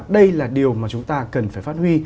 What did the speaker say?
đây là điều mà chúng ta cần phải phát huy